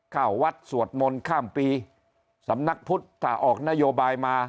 เข้าวัดสวดมนต์ข้ามปีสำนักพุทธถ้าออกนโยบายมา